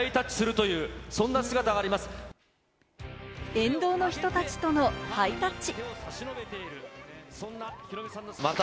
沿道の人たちとのハイタッチ。